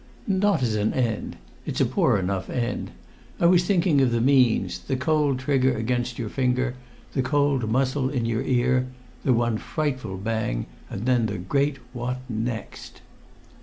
"Not as an end. It's a poor enough end. I was thinking of the means the cold trigger against your finger the cold muzzle in your ear the one frightful bang and then the Great What Next!"